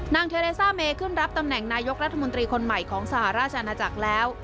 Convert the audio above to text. เทเลซ่าเมขึ้นรับตำแหน่งนายกรัฐมนตรีคนใหม่ของสหราชอาณาจักรแล้ว